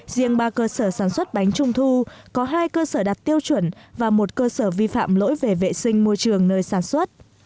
riêng ba cơ sở sản xuất bánh trung thu có hai cơ sở đạt tiêu chuẩn và một cơ sở vi phạm lỗi về vệ sinh môi trường nơi sản xuất